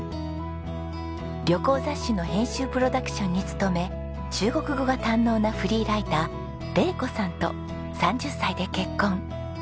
旅行雑誌の編集プロダクションに勤め中国語が堪能なフリーライター玲子さんと３０歳で結婚。